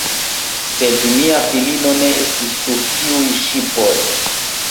Sed mia filino ne estis sur tiuj ŝipoj.